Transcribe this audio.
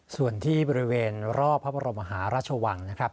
ส่วนที่บริเวณรอบพระบรมหาราชวังนะครับ